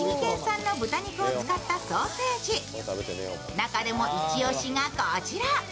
中でもイチ押しがこちら。